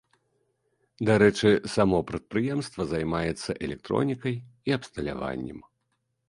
Дарэчы, само прадпрыемства займаецца электронікай і абсталяваннем.